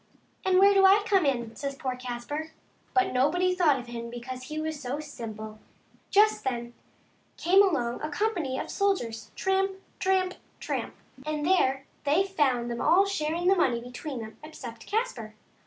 " And where do I come in ?" says poor Caspar. But nobody thought of him because he was so simple. M4 THE SIMPLETON AND HIS LITTLE BLACK HEN. Just then came along a company of soldiers — tramp ! tramp ! tramp !— and there they found them all sharing the money between them, except Caspar.